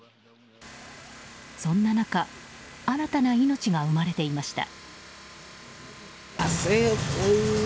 そんな中新たな命が生まれていました。